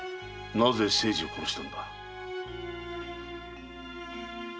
なぜ清次を殺したのだ？